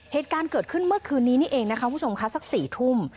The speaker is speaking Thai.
เหตุการณ์เกิดขึ้นเมื่อคืนนี้นี่เองนะคะคุณผู้ชมค่ะสัก๔ทุ่ม